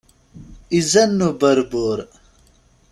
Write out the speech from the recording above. Izan n uberbur.